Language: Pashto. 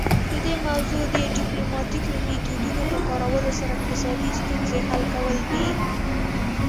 د دې موضوع د ډیپلوماتیکو میتودونو په کارولو سره اقتصادي ستونزې حل کول دي